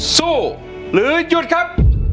สู้หรือหยุดครับ